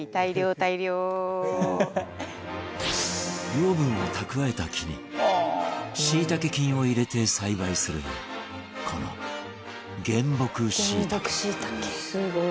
養分を蓄えた木にしいたけ菌を入れて栽培するこの原木しいたけ